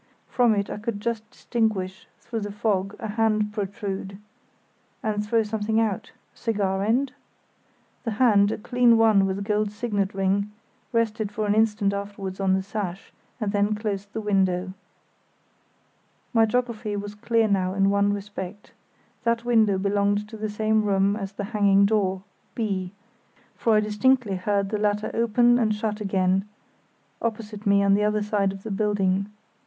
From it I could just distinguish through the fog a hand protrude, and throw something out—cigar end? The hand, a clean one with a gold signet ring, rested for an instant afterwards on the sash, and then closed the window. Illustration: diagram, Memmert Salvage Depot My geography was clear now in one respect. That window belonged to the same room as the banging door (B); for I distinctly heard the latter open and shut again, opposite me on the other side of the building.